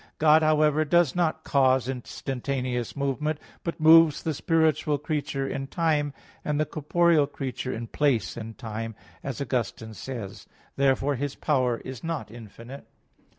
God, however, does not cause instantaneous movement, but moves the spiritual creature in time, and the corporeal creature in place and time, as Augustine says (Gen. ad lit. 20, 22, 23). Therefore, His power is not infinite.